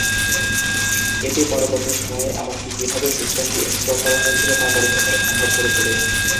এটি পরবর্তী সময়ে এমনকি কীভাবে সিস্টেমটি ইনস্টল করা হয়েছিল তা পরীক্ষা করা সম্ভব করে তোলে।